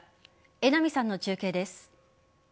榎並さんの中継です。